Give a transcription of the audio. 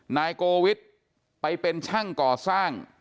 นายโกวิทไปเป็นช่างก่อสร้าง